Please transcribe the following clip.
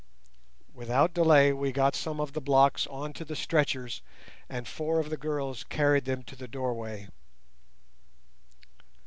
Without delay we got some of the blocks on to the stretchers, and four of the girls carried them to the doorway.